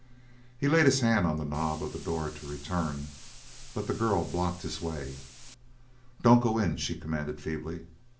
He laid his hand on the knob of the door to return, but the girl blocked his way. "Don't go in," she commanded feebly.